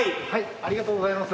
ありがとうございます。